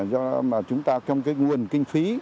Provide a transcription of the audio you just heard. do chúng ta trong nguồn kinh phí